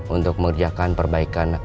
untuk mengerjakan perbaikan